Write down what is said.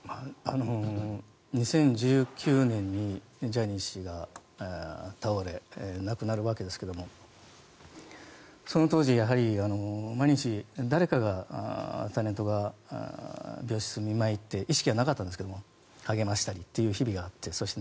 ２０１９年にジャニー氏が倒れ亡くなるわけですけどもその当時、毎日誰かがタレントが病室に見舞いに行って意識がなかったんですが励ましたりという日々があってそして